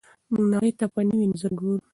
موږ نړۍ ته په نوي نظر ګورو.